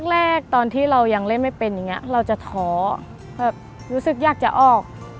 แรกตอนที่เรายังเล่นไม่เป็นอย่างนี้เราจะท้อแบบรู้สึกอยากจะออก